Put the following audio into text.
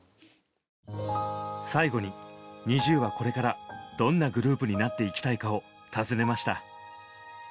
最後にＮｉｚｉＵはこれからどんなグループになっていきたいかを尋ねました。